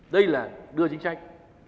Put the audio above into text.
đây là đưa chính sách